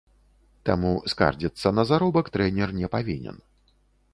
Таму скардзіцца на заробак трэнер не павінен.